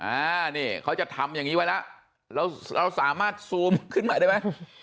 อ่านี่เขาจะทำอย่างนี้ไว้แล้วเราสามารถซูมขึ้นมาได้ไหม